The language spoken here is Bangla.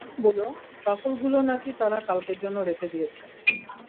ক্যাটারাররা বললো, ট্রাফলগুলো নাকি তারা কলকের জন্য রেখে দিয়েছে।